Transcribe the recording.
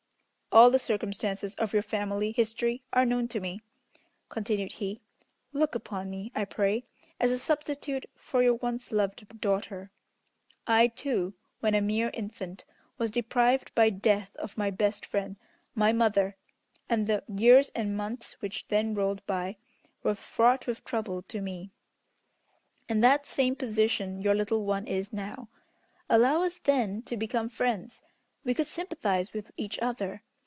"All the circumstances of your family history are known to me," continued he. "Look upon me, I pray, as a substitute for your once loved daughter. I, too, when a mere infant, was deprived by death of my best friend my mother and the years and months which then rolled by were fraught with trouble to me. In that same position your little one is now. Allow us, then, to become friends. We could sympathize with each other.